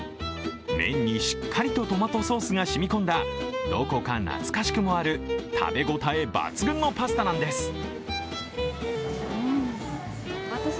麺にしっかりとトマトソースが染み込んだどこか懐かしくもある、食べ応え抜群のパスタなんです。